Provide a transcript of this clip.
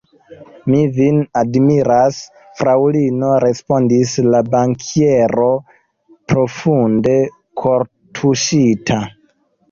Mi vin admiras, fraŭlino, respondis la bankiero profunde kortuŝita.